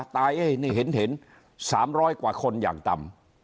ตายเห็นสามร้อยกว่าคนอย่างต่ำ